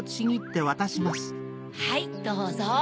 はいどうぞ。